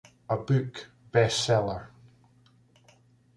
A book, Bestseller!